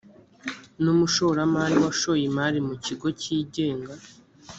ni umushoramari washoye imari mu kigo cyigenga